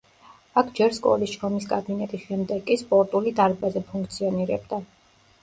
აქ ჯერ სკოლის შრომის კაბინეტი, შემდეგ კი სპორტული დარბაზი ფუნქციონირებდა.